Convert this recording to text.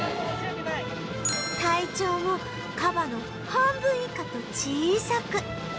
体長もカバの半分以下と小さく